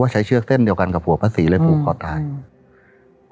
ใช้เชือกเส้นเดียวกันกับหัวพระศรีเลยผูกคอตาย